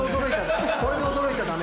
これで驚いちゃ駄目。